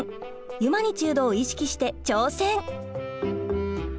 ユマニチュードを意識して挑戦！